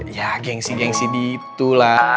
ya gengsi gengsi gitu lah